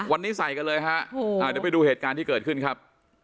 วันนี้ใส่กันเลยฮะเดี๋ยวไปดูเหตุการณ์ที่เกิดขึ้นครับ